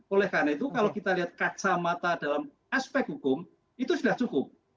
oleh karena itu kalau kita lihat kacamata dalam aspek hukum itu sudah cukup